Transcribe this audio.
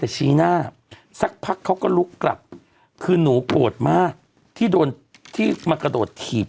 แต่ชี้หน้าสักพักเขาก็ลุกกลับคือหนูโกรธมากที่โดนที่มากระโดดถีบ